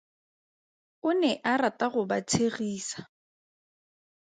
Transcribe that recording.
O ne a rata go ba tshegisa.